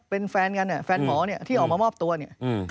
เป็นแฟนกันเนี่ยแฟนหมอเนี่ยที่ออกมามอบตัวเนี่ย